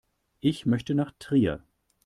Ich möchte nach Trier